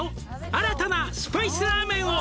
「新たなスパイスラーメンを」